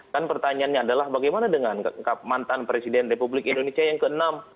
kan pertanyaannya adalah bagaimana dengan mantan presiden republik indonesia yang ke enam